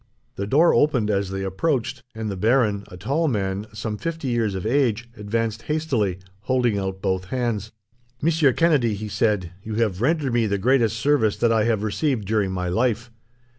The door opened as they approached, and the baron, a tall man, some fifty years of age, advanced hastily, holding out both hands. "Monsieur Kennedy," he said, "you have rendered to me the greatest service that I have received during my life.